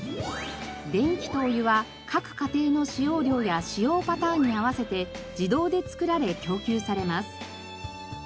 電気とお湯は各家庭の使用量や使用パターンに合わせて自動で作られ供給されます。